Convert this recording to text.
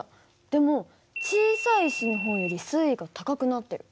でも小さい石の方より水位が高くなってる。